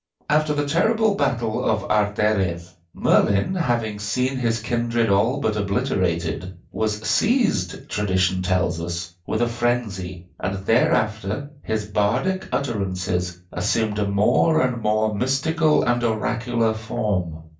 After the terrible battle of Arderydd, Merlin, having seen his kindred all but obliterated, was seized, tradition tells us, with a frenzy, and thereafter his bardic utterances assumed a more and more mystical and oracular form.